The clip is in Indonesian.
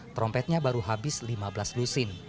trompetnya baru habis lima belas lusin